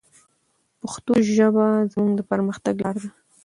پښتو ژبه زموږ د پرمختګ لاره ده.